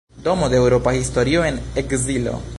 Domo de eŭropa historio en ekzilo.